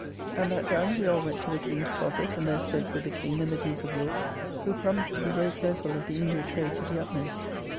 And that done, we all went to the King's closet, and there spoke with the King and the Duke of York, who promise to be very careful of the India trade to the utmost.